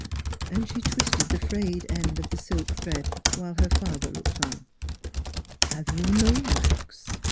And she twisted the frayed end of the silk thread, while her father looked on. " Have you no wax?